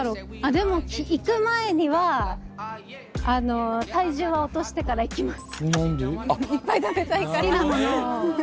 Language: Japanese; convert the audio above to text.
でも行く前には体重は落としてから行きます。